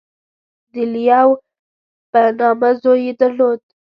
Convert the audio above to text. • د لیو په نامه زوی یې درلود.